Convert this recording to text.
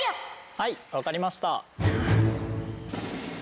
はい分かりました。